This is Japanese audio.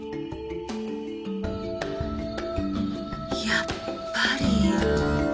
やっぱり。